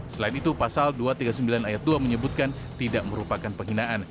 selain itu pasal dua ratus tiga puluh sembilan ayat dua menyebutkan tidak merupakan penghinaan